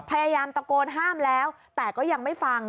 พยายามตะโกนห้ามแล้วแต่ก็ยังไม่ฟัง